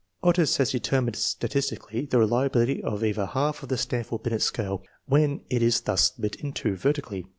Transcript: Otis 1 has de termined statistically the reliability of either half of the Stanford Binet Scale, when it is thus split in two vertically.